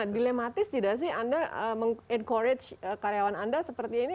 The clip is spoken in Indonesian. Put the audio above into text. dilematis tidak sih anda meng encourage karyawan anda seperti ini